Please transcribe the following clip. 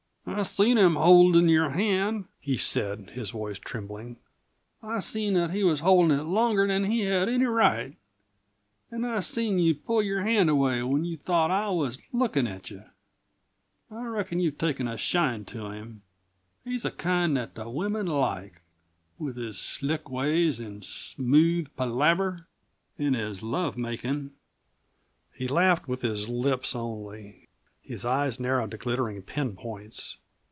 "I seen him holdin' your hand," he said, his voice trembling; "I seen that he was holdin' it longer than he had any right. An' I seen you pull your hand away when you thought I was lookin' at you. I reckon you've taken a shine to him; he's the kind that the women like with his slick ways an' smooth palaver an' his love makin'." He laughed with his lips only, his eyes narrowed to glittering pin points.